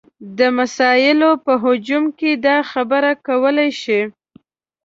د مسایلو په هجوم کې دا خبره کولی شي.